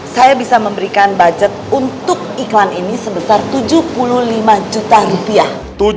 saya bisa memberikan budget untuk iklan ini sebesar tujuh puluh lima juta rupiah